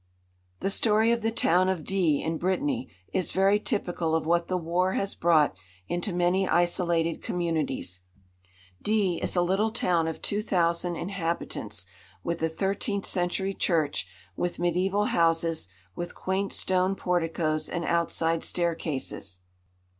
The story of the town of D , in Brittany, is very typical of what the war has brought into many isolated communities. D is a little town of two thousand inhabitants, with a thirteenth century church, with mediaeval houses with quaint stone porticoes and outside staircases.